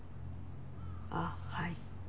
あっはい。